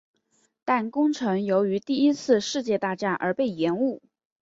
但工程由于第一次世界大战而被延误。